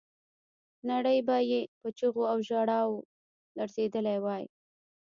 نړۍ به یې په چیغو او ژړاو لړزولې وای.